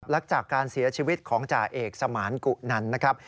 หลังจากการเสียชีวิตของจาเอกสมาร์นกุข์ทรัล